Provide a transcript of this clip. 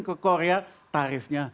ke korea tarifnya